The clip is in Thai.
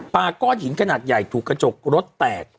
ก้อนหินขนาดใหญ่ถูกกระจกรถแตก